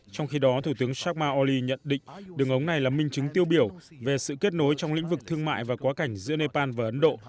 trong khi đó thủ tướng shagma oli nhận định đường ống này là minh chứng tiêu biểu về sự kết nối trong lĩnh vực thương mại và quá cảnh giữa nepal và ấn độ